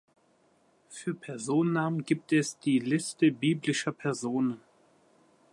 Für Personennamen gibt es die Liste biblischer Personen.